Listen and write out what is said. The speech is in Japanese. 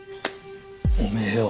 おめえよ。